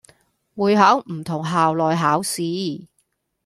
會考唔同校內考試